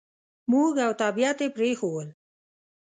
موږ او طبعیت یې پرېښوول.